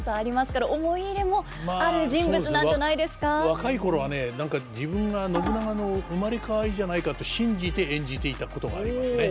若い頃はね何か自分が信長の生まれ変わりじゃないかと信じて演じていたことがありますね。